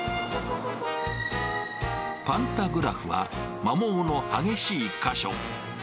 パンタグラフは摩耗の激しい箇所。